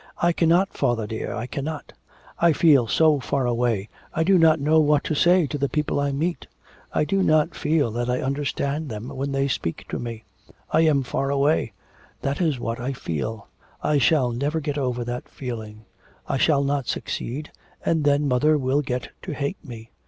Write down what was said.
I cannot, father, dear, I cannot, I feel so far away; I do not know what to say to the people I meet. I do not feel that I understand them when they speak to me; I am far away, that is what I feel; I shall never get over that feeling; I shall not succeed, and then mother will get to hate me....